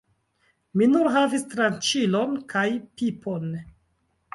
Mi nur havis tranĉilon kaj pipon.